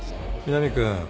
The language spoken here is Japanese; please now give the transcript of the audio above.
南君